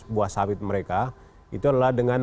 buah sawit mereka itulah dengan